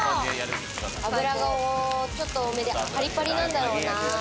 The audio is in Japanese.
油がちょっと多めでパリパリなんだろうな。